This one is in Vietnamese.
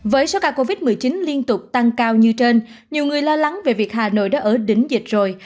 với số ca covid một mươi chín liên tục tăng cao như trên nhiều người lo lắng về việc hà nội đã ở đỉnh dịch rồi